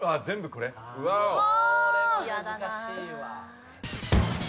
これは難しいわ。